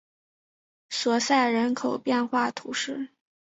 索赛人口变化图示